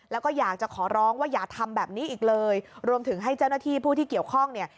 แล้วก็อยากจะขอร้องว่าอย่าทำแบบนี้อีกเลยรวมถึงให้เจ้าหน้าที่ผู้ที่เกี่ยวข้องเนี่ย